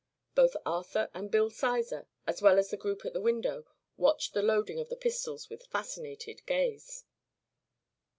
Both Arthur and Bill Sizer, as well as the groups at the window, watched the loading of the pistols with fascinated gaze.